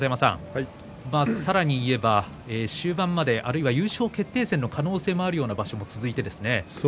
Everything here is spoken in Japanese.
さらに言えば終盤まであるいは優勝決定戦の可能性もあるような場所も続いてですね。